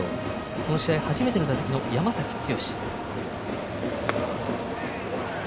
この試合、初めて出場の山崎剛。